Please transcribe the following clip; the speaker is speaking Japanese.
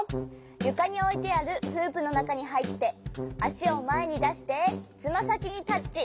ゆかにおいてあるフープのなかにはいってあしをまえにだしてつまさきにタッチ。